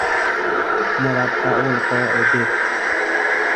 مربع القاعده